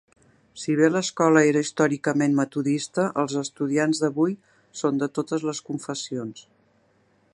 Si bé l'escola era històricament metodista, els estudiants d'avui són de totes les confessions.